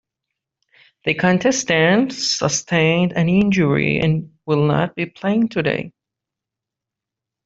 The contestant sustained an injury and will not be playing today.